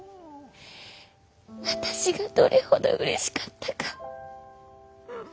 私がどれほどうれしかったか。